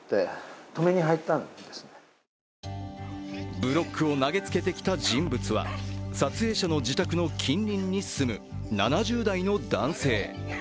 ブロックを投げつけてきた人物は撮影者の自宅の近隣に住む７０代の男性。